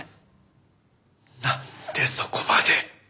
なんでそこまで。